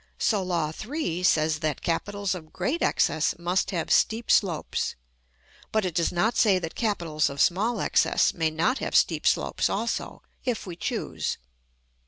So Law 3 says that capitals of great excess must have steep slopes; but it does not say that capitals of small excess may not have steep slopes also, if we choose.